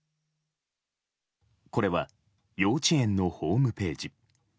これは、幼稚園のホームページ。